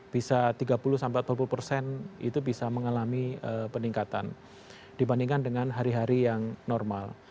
bisa tiga puluh sampai empat puluh persen itu bisa mengalami peningkatan dibandingkan dengan hari hari yang normal